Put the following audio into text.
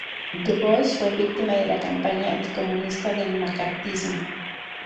Du Bois fue víctima de la campaña anticomunista del Macartismo.